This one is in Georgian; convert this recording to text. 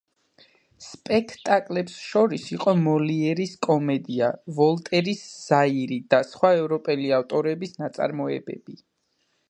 სპექტაკლებს შორის იყო მოლიერის კომედია, ვოლტერის „ზაირი“ და სხვა ევროპელი ავტორების ნაწარმოებები.